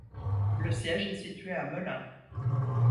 Le siège est situé à Melun.